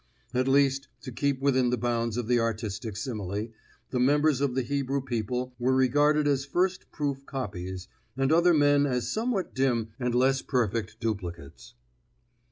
At least, to keep within the bounds of the artistic simile, the members of the Hebrew people were regarded as first proof copies, and other men as somewhat dim and less perfect duplicates.